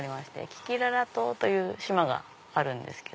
危機裸裸島という島があるんです。